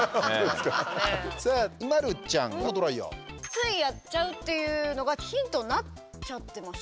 「ついやっちゃう」っていうのがヒントになっちゃってましたね。